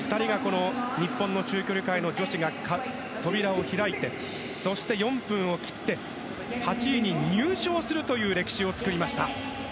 日本の中長距離界の、２人の女子が扉を開いて、そして４分を切って８位に入賞するという歴史を作りました。